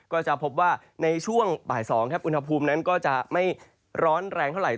ก็จะพบว่าในช่วงบ่าย๒ครับอุณหภูมินั้นก็จะไม่ร้อนแรงเท่าไหร่